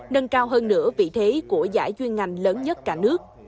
nâng cao hơn nửa vị thế của giải duyên ngành lớn nhất cả nước